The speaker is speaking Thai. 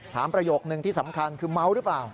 ประโยคนึงที่สำคัญคือเมาหรือเปล่า